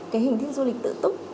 cái hình thức du lịch tự túc